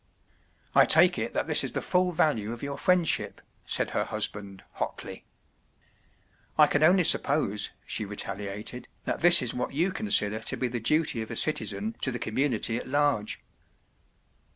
” “ I take it that this is the full value of your friendship,” said her husband, hotly. “ I can only suppose,” she retaliated, “ that this is what you consider to be the duty of a citizen to the community at large.